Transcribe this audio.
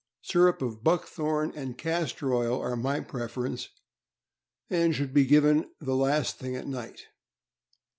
Syrup of buckthorn and castor oil are my prefer ence, and should be given the last thing at night.